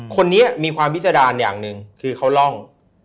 คนนี้มีความพิจารณ์อย่างหนึ่งคือเขาร่อง